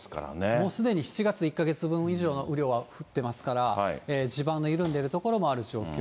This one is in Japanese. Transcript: もうすでに７月１か月分以上の雨量は降ってますから、地盤の緩んでいる所もある状況。